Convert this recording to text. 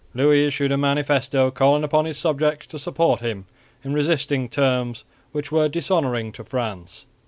Louis issued a manifesto calling upon his subjects to support him in resisting terms which were dishonouring to France.